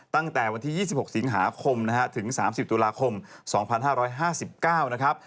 ตั้งแต่วันที่๒๖สิงหาคมถึง๓๐ตุลาคม๒๕๕๙บาท